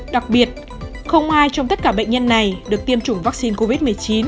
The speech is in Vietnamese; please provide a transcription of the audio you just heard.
đặc biệt không ai trong tất cả bệnh nhân này được tiêm chủng vaccine covid một mươi chín